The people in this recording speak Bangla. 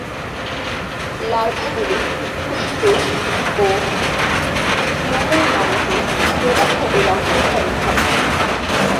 লার্ভাগুলি ফুসফুস, ও ক্লোমনালীতে প্রদাহ ও রক্তক্ষরণ ঘটায়।